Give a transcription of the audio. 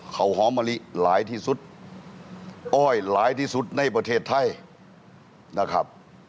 เขาหอมมะลิหลายที่สุดอ้อยหลายที่สุดในประเทศไทยนะครับ